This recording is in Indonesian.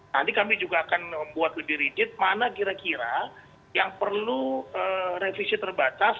nanti kami juga akan membuat lebih rigid mana kira kira yang perlu revisi terbatas